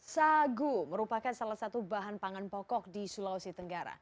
sagu merupakan salah satu bahan pangan pokok di sulawesi tenggara